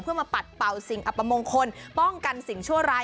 เพื่อมาปัดเป่าสิ่งอัปมงคลป้องกันสิ่งชั่วร้าย